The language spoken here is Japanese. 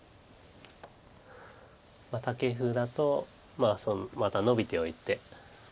タケフだとまたノビておいて。